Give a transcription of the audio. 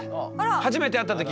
初めて会った時？